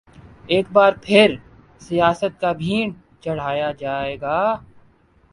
ایک بار پھر سیاست کی بھینٹ چڑھایا جائے گا؟